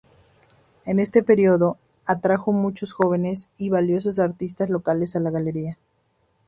En ese período, atrajo a muchos jóvenes y valiosos artistas locales a la galería.